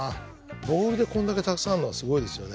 ボールでこんだけたくさんあるのはすごいですよね。